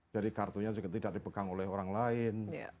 jadi kartunya juga tidak dibekang oleh orang lain